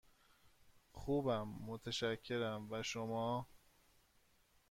خوبم، متشکرم، و شما؟